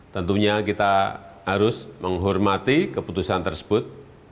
tentunya kita harus menghormati keputusan tersebut